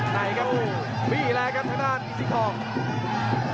ไหนครับโอ้โหมีแล้วครับทางด้านอินทรีย์ทอง